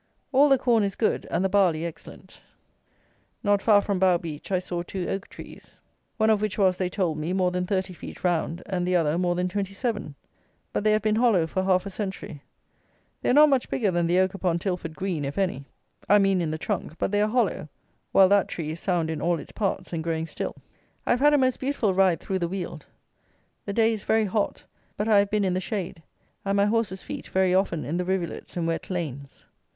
All the corn is good, and the barley excellent. Not far from Bough beach, I saw two oak trees, one of which was, they told me, more than thirty feet round, and the other more than twenty seven; but they have been hollow for half a century. They are not much bigger than the oak upon Tilford Green, if any. I mean in the trunk; but they are hollow, while that tree is sound in all its parts, and growing still. I have had a most beautiful ride through the Weald. The day is very hot; but I have been in the shade; and my horse's feet very often in the rivulets and wet lanes.